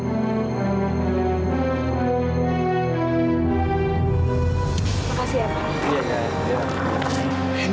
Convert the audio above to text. terima kasih ya pak